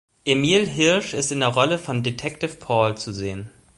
Emile Hirsch ist in der Rolle von Detective Paul zu sehen.